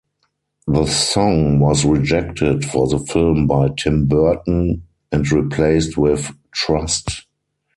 The song was rejected for the film by Tim Burton and replaced with "Trust".